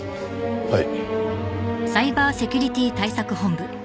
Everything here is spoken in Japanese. はい。